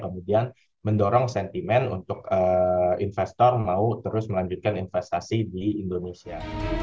kemudian mendorong sentimen untuk investor mau terus melanjutkan investasi di indonesia